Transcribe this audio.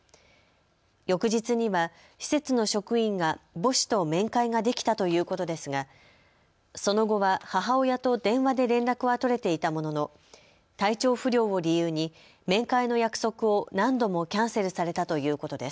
翌日には施設の職員が母子と面会ができたということですがその後は母親と電話で連絡は取れていたものの体調不良を理由に面会の約束を何度もキャンセルされたということです。